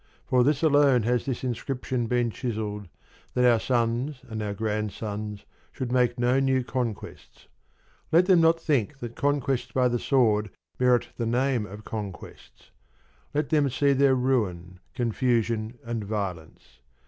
For this alone has this inscription been chiselled, that our sons and our grandsons should make no new conquests. Let them not think that conquests by the sword merit the name of conquests. Let them see their ruin, confusion, and violence.